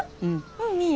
うんいいよ。